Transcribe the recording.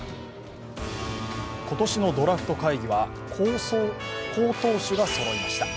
今年のドラフト会議は好投手がそろいました。